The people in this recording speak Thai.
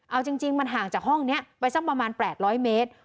เอาจริงจริงมันห่างจากห้องเนี้ยไปสักประมาณแปลกร้อยเมตร